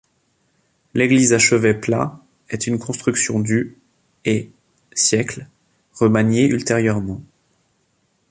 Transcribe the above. L’église à chevet plat est une construction du et siècles, remaniée ultérieurement.